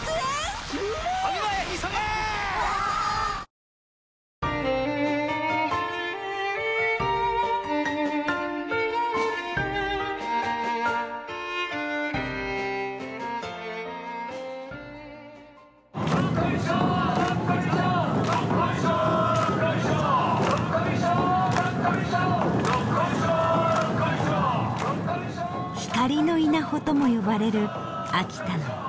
「光の稲穂」とも呼ばれる秋田の竿燈。